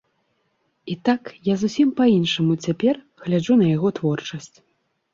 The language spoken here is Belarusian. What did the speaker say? І так, я зусім па-іншаму цяпер гляджу на яго творчасць.